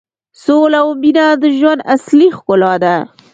سوله او مینه د ژوند اصلي ښکلا ده.